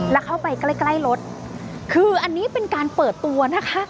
แล้วเข้าไปใกล้ใกล้รถคืออันนี้เป็นการเปิดตัวนะคะ